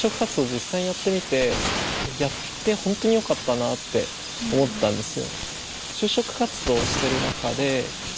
実際やってみてやって本当によかったなって思ったんですよ。